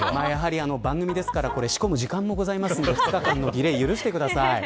番組ですから仕込む時間もございますからディレイを許してください。